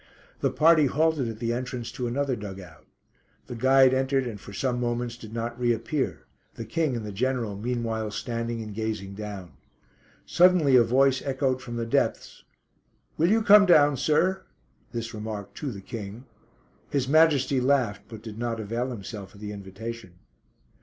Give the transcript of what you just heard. The party halted at the entrance to another dug out. The guide entered and for some moments did not reappear, the King and the General meanwhile standing and gazing down. Suddenly a voice echoed from the depths: "Will you come down, sir?" this remark to the King. His Majesty laughed, but did not avail himself of the invitation.